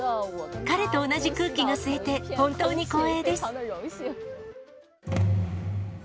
彼と同じ空気が吸えて、本当に光栄です。